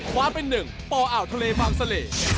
ความเป็นหนึ่งปอ่าวทะเลบางเสล่